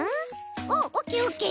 おおオッケーオッケー！